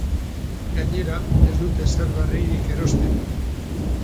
Gainera, ez dute ezer berririk erosten.